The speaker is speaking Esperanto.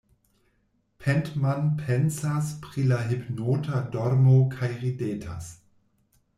Pentman pensas pri la hipnota dormo kaj ridetas.